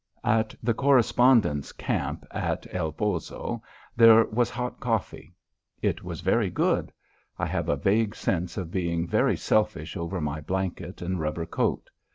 At the correspondents' camp, at El Poso, there was hot coffee. It was very good. I have a vague sense of being very selfish over my blanket and rubber coat.